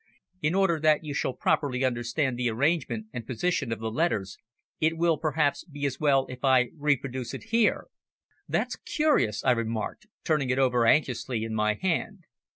In order that you shall properly understand the arrangement and position of the letters, it will perhaps be as well if I here reproduce it: "That's curious!" I remarked, turning it over anxiously in my hand.